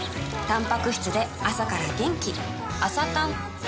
たんぱく質で朝から元気